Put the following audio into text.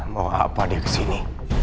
mau apa dia ke sini